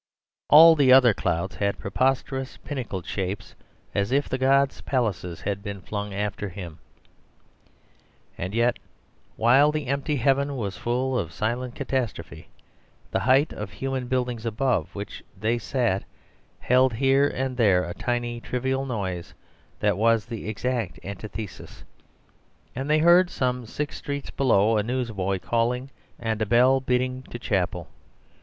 All the other clouds had preposterous pinnacled shapes, as if the god's palaces had been flung after him. And yet, while the empty heaven was full of silent catastrophe, the height of human buildings above which they sat held here and there a tiny trivial noise that was the exact antithesis; and they heard some six streets below a newsboy calling, and a bell bidding to chapel.